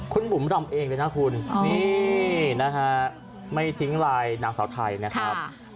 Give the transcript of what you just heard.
คุณบุ๋มรำเองเลยนะคุณนี่นะฮะไม่ทิ้งลายนางสาวไทยนะครับ